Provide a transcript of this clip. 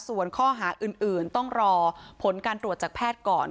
ส่วนข้อหาอื่นต้องรอผลการตรวจจากแพทย์ก่อน